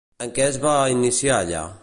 En què es va iniciar allà?